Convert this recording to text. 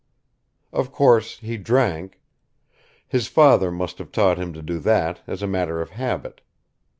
Of course he drank. His father must have taught him to do that as a matter of habit.